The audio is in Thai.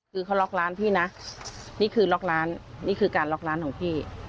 คือเขาล็อกร้านพี่นะนี่คือล็อกร้านนี่คือการล็อกร้านของพี่